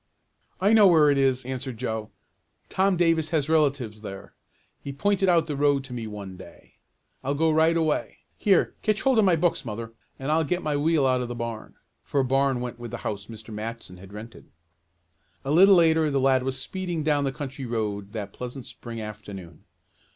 "I know where it is," answered Joe. "Tom Davis has relatives there. He pointed out the road to me one day. I'll go right away. Here, catch hold of my books, mother, and I'll get my wheel out of the barn," for a barn went with the house Mr. Matson had rented. A little later the lad was speeding down the country road that pleasant spring afternoon.